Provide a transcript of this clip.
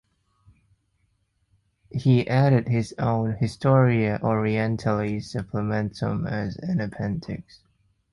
He added his own "Historia orientalis supplementum" as an appendix.